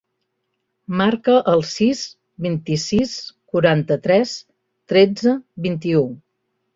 Marca el sis, vint-i-sis, quaranta-tres, tretze, vint-i-u.